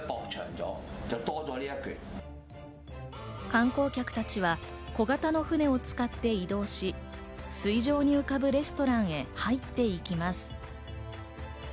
観光客たちは小型の船を使って移動し、水上に浮かぶレストランへ入っていきます。